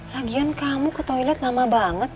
lagian kamu ke toilet lama banget